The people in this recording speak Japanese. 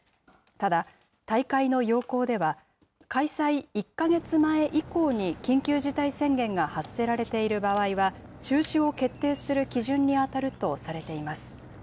ただ、大会の要項では、開催１か月前以降に緊急事態宣言が発せられている場合は、中止を決定する基準に当たるとされています。